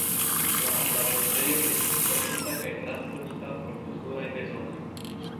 La la preĝejo estis fermita kaj transdonita por kulturaj bezonoj.